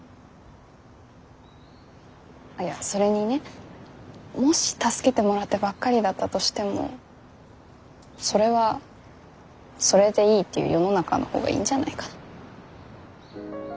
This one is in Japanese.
あっいやそれにねもし助けてもらってばっかりだったとしてもそれはそれでいいっていう世の中の方がいいんじゃないかな。